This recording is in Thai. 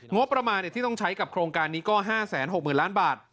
งบประมาณที่ต้องใช้กับโครงการนี้ก็๕๖๐๐๐ล้านบาท